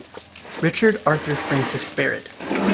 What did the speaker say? Richard Arthur Francis Barrett.